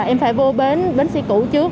em phải vô bến bến xe cũ trước